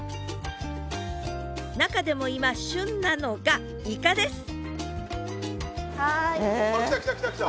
中でも今旬なのがイカです来た来た来た来た。